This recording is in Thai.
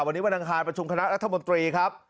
วันนี้วันทางภาคประชุมคณะนักธรรมนตรีครับ